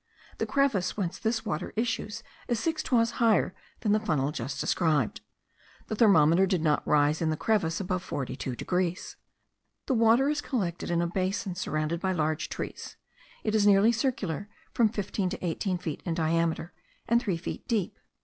The crevice whence this water issues is six toises higher than the funnel just described. The thermometer did not rise in the crevice above 42 degrees. The water is collected in a basin surrounded by large trees; it is nearly circular, from fifteen to eighteen feet diameter, and three feet deep.